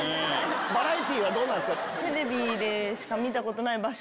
バラエティーはどうなんすか？